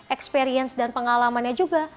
experience dan pengalamannya juga